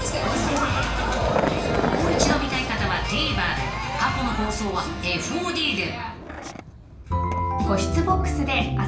［もう一度見たい方はＴＶｅｒで過去の放送はＦＯＤで］